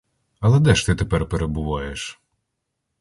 Але де ж ти тепер перебуваєш?